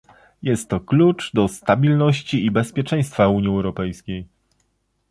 Jest to klucz do stabilności i bezpieczeństwa Unii Europejskiej